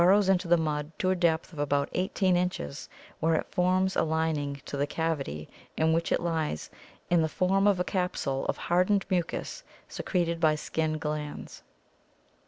rows into the mud to a depth of about 18 inches where it forms a lining to the cavity in which it lies in the form of a capsule of hard ened mucus secreted by skin glands.